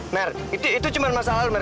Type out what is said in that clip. mer itu cuma masalah lu mer